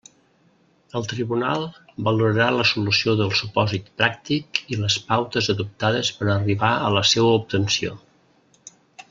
El tribunal valorarà la solució del supòsit pràctic i les pautes adoptades per a arribar a la seua obtenció.